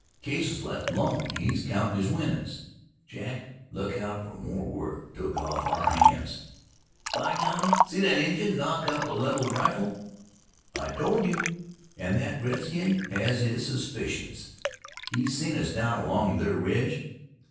"Case's left alone. He's countin' his winnin's. Jack, look out fer more work took off our hands." "By gum! See that Injun knock up a leveled rifle." "I told you, an' thet redskin has his suspicions. He's seen us down along ther ridge.